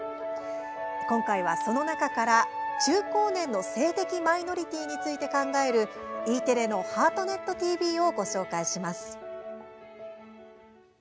今回は、その中から中高年の性的マイノリティーについて考えるＥテレの「ハートネットＴＶ」をご紹介します。